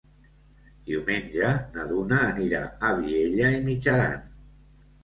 Diumenge na Duna anirà a Vielha e Mijaran.